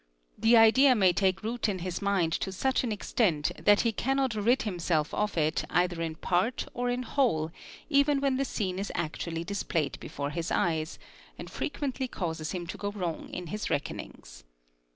The ide may take root in his mind to such an extent that he cannot rid himsel of it either in part or in whole even when the scene is actually displayec AT THE SCENE OF OFFENCE 127 before his eyes, and frequently causes him to go wrong in his reckonings.